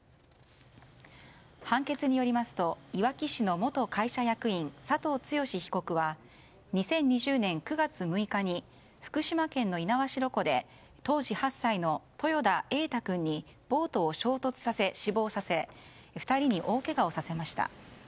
判決によりますといわき市の元会社役員佐藤剛被告は２０２０年９月６日に福島県の猪苗代湖で当時８歳の豊田瑛大君にボートを衝突させて死亡させ２人に大けがをさせました。